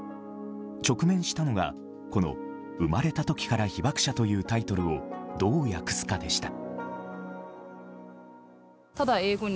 直面したのが、この「生まれた時から被爆者」というタイトルをどう訳すかでした。